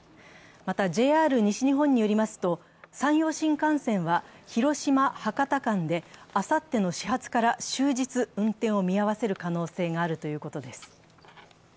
またＪＲ西日本によりますと、山陽新幹線は、広島−博多間であさっての始発から終日、運転を見合わせる可能性があるということです。